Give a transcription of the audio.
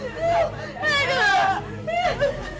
aduh gampang banget aja